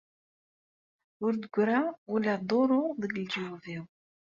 Ur d-tegra ula duṛu deg leǧyub-iw.